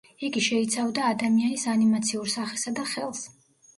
იგი შეიცავდა ადამიანის ანიმაციურ სახესა და ხელს.